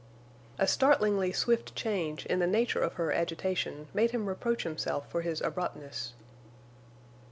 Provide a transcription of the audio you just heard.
A startlingly swift change in the nature of her agitation made him reproach himself for his abruptness.